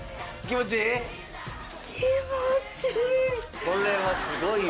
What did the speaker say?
気持ちいい。